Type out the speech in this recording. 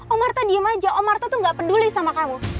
om arta diem aja om arta tuh gak peduli sama kamu